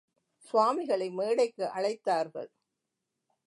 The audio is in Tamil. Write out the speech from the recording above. சுவாமிகளை மேடைக்கு அழைத்தார்கள்.